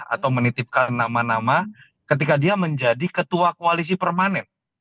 atau menitipkan nama nama ketika dia menjadi ketua koalisi permanen